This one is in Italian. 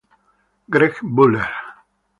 Greg Butler